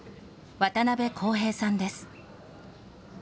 渡部耕平さんです。